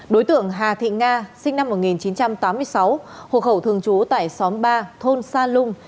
đối tượng hà thị nga sinh năm một nghìn chín trăm tám mươi sáu hộ khẩu thường trú tại xóm ba thôn sa lung